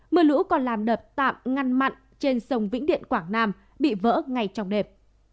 mưa lũ còn làm đập tạm ngăn mặn trên sông vĩnh điện quảng nam bị vỡ ngay trong đẹp